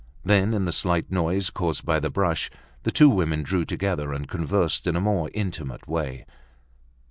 Then, in the slight noise caused by the brush, the two women drew together, and conversed in a more intimate way.